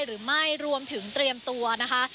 หรือไม่รวมถึงเตรียมตัวนะคะ